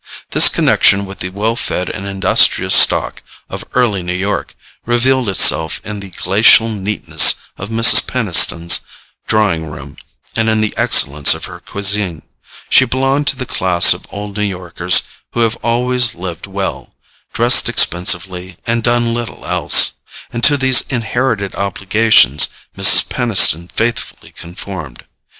This connection with the well fed and industrious stock of early New York revealed itself in the glacial neatness of Mrs. Peniston's drawing room and in the excellence of her cuisine. She belonged to the class of old New Yorkers who have always lived well, dressed expensively, and done little else; and to these inherited obligations Mrs. Peniston faithfully conformed.